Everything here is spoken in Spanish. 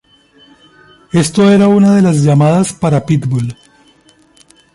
Esto era una de las llamadas para Pitbull.